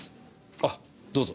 あどうぞ。